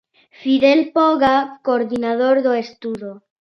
Fidel Poga, coordinador do estudo.